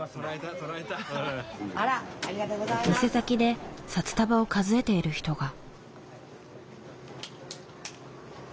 店先で札束を数えている人が。